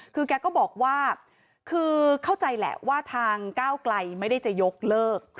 คือแกก็บอกว่าคือเข้าใจแหละว่าทางก้าวไกลไม่ได้จะยกเลิก